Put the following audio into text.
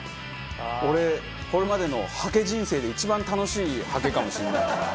俺これまでのハケ人生で一番楽しいハケかもしれない。